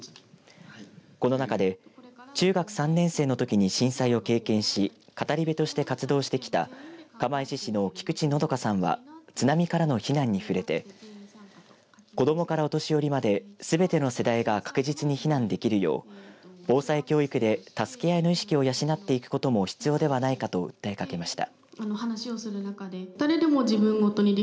この中で中学３年生のときに震災を経験し語り部として活動してきた釜石市の菊池のどかさんは津波からの避難に触れて子どもからお年寄りまですべての世代が確実に避難できるよう防災教育で助け合いの意識を養っていくことも必要ではないかと訴えかけました。